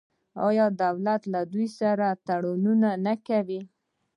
آیا حکومت له دوی سره تړونونه نه کوي؟